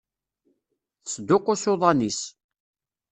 Tesduqqus uḍan-is.